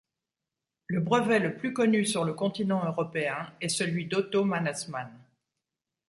Le brevet le plus connu sur le continent européen est celui d'Otto Mannesmann.